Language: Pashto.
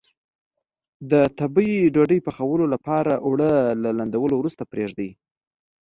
د تبۍ ډوډۍ پخولو لپاره اوړه له لندولو وروسته پرېږدي.